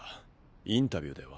インタビューでは？